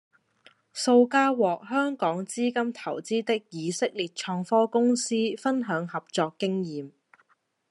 數家獲香港資金投資的以色列創科公司分享合作經驗